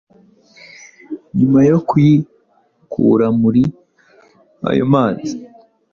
Nyuma yo kuyikura muri ayo mazi,